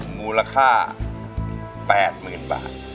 มูลค่า๘๐๐๐บาท